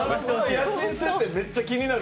家賃設定めっちゃ気になる。